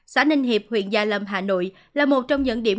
xã ninh hiệp huyện gia lâm hà nội là một trong những điểm